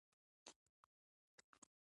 له دې ځايه ځو.